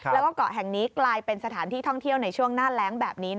แล้วก็เกาะแห่งนี้กลายเป็นสถานที่ท่องเที่ยวในช่วงหน้าแรงแบบนี้